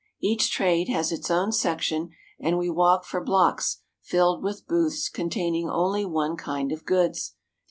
Each trade has its own section and we walk for blocks filled with booths containing only one kind of goods.